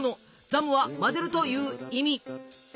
「ザム」は混ぜるという意味。